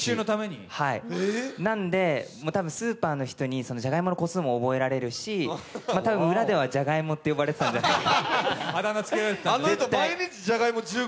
なので、多分スーパーの人に、じゃがいもの個数も覚えられるし、たぶん、裏ではじゃがいもって呼ばれてたんじゃないかな。